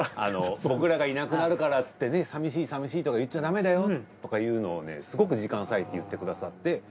僕らがいなくなるからつって寂しい寂しいとか言っちゃダメだよとかいうのをねすごく時間割いて言ってくださって。